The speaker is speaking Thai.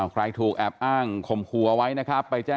ใครถูกอ้างข่มหัวไว้ไปโบย่งจะจั้าย